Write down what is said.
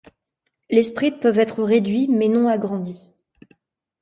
Les sprites peuvent être réduits, mais non agrandis.